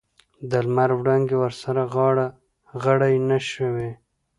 د لمر وړانګې ورسره غاړه غړۍ نه شوې.